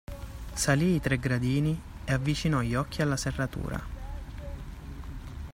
Salì i tre gradini e avvicinò gli occhi alla serratura.